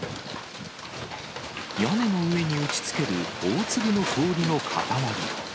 屋根の上に打ちつける大粒の氷の塊。